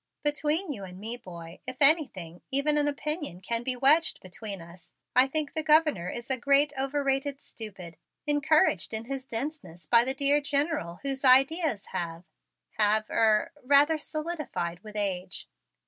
"Between you and me, boy if anything, even an opinion, can be wedged between us I think the Governor is a great, overrated stupid, encouraged in his denseness by the dear General whose ideas have have er rather solidified with age.